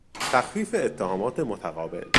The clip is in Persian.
تخفیف اتهامات متقابل